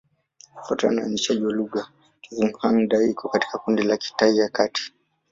Kufuatana na uainishaji wa lugha, Kizhuang-Dai iko katika kundi la Kitai ya Kati.